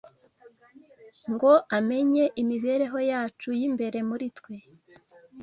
ngo amenye imibereho yacu y’imbere muri twe